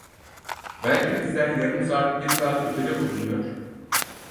Belki bizden yarım saat, bir saat ötede bulunuyor.